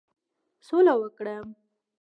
سوله وکړم.